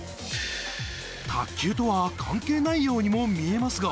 卓球とは関係ないようにも見えますが。